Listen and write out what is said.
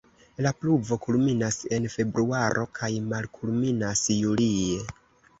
La pluvo kulminas en februaro kaj malkulminas julie.